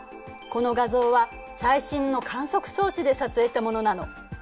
この画像は最新の観測装置で撮影したものなの。